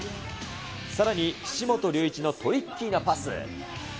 さらに、岸本隆一のトリッキーなパス。